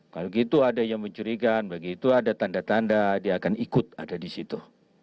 kalau gitu ada yang mencurigakan begitu ada tanda tanda dia akan ikut ada di situ